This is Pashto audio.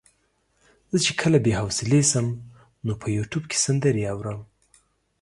زه چې کله بې حوصلې شم نو په يوټيوب کې سندرې اورم.